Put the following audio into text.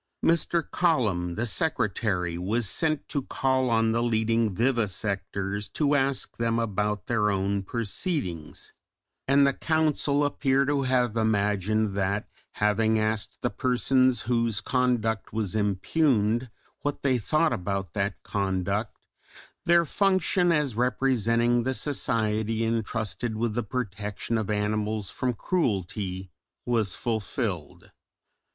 Mr. Colam the Secretary was sent to call on the leading vivisectors to ask them about their own proceedings; and the Council appear to have imagined that, having asked the persons whose conduct was impugned what they thought about that conduct, their function as representing the Society entrusted with the protection of animals from cruelty was fulfilled.